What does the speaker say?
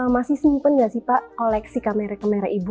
masih simpen gak sih pak koleksi kamera kembali